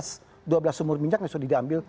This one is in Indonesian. sudah ada dua belas sumber minyak sudah diambil